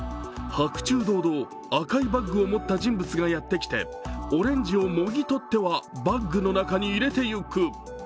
白昼堂々赤いバッグを持った人物がやってきてオレンジをもぎ取ってはバッグの中に入れていく。